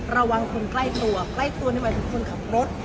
ระวังคนใกล้ตัวใกล้ตัวนี่หมายถึงคนขับรถ